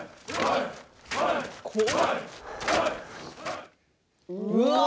怖い。